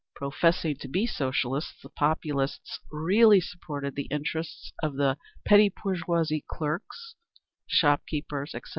Professing to be Socialists, the Populists really supported the interests of the petty bourgeoisie—clerks, shopkeepers, etc.